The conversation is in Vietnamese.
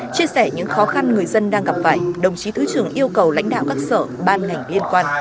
chia sẻ những khó khăn người dân đang gặp phải đồng chí thứ trưởng yêu cầu lãnh đạo các sở ban ngành liên quan